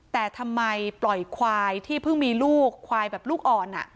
แต่ทำไมปล่อยควายที่เพิ่งมีลูกควายแบบลูกอ่อน